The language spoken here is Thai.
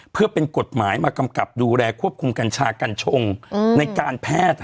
เพื่อเป็นกฎหมายมากำกับดูแลควบคุมกัญชากัญชงในการแพทย์